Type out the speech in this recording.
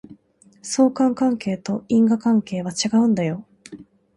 相関関係と因果関係は違うんだよ